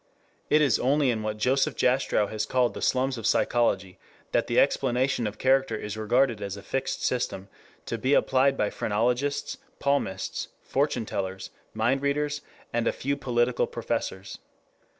It is only in what Joseph Jastrow has called the slums of psychology that the explanation of character is regarded as a fixed system to be applied by phrenologists, palmists, fortune tellers, mind readers, and a few political professors.